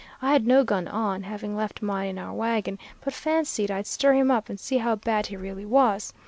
I had no gun on, having left mine in our wagon, but fancied I'd stir him up and see how bad he really was.